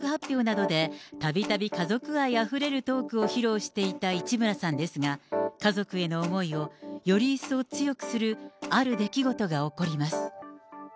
舞台の制作発表などでたびたび家族愛あふれるトークを披露していた市村さんですが、家族への思いをより一層強くするある出来事が起こります。